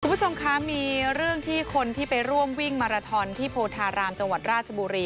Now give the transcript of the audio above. คุณผู้ชมคะมีเรื่องที่คนที่ไปร่วมวิ่งมาราทอนที่โพธารามจังหวัดราชบุรี